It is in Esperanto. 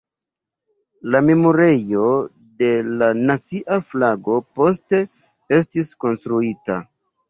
La Memorejo de la Nacia Flago poste estis konstruita.